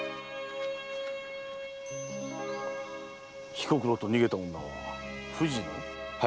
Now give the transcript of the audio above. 彦九郎と逃げた女は藤乃？